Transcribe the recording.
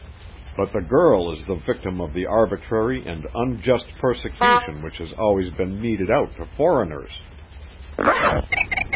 But the girl is the victim of the arbitrary and unjust persecution which has always been meted out to foreigners."